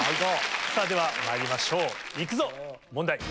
ではまいりましょう行くぞ問題。